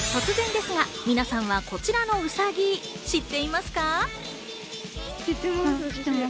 突然ですが、皆さんはこのうさぎ、知っていますか？